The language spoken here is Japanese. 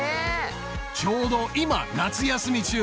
ちょうど今夏休み中。